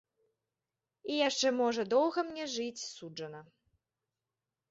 I яшчэ можа доўга мне жыць суджана.